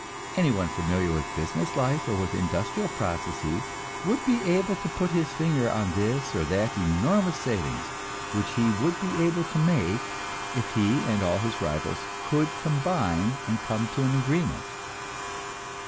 Anyone familiar with business life or with industrial processes would be able to put his finger on this or that enormous saving which he would be able to make if he and all his rivals could combine and come to an agreement.